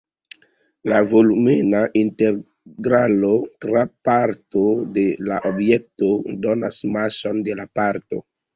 La volumena integralo tra parto de la objekto donas mason de la parto.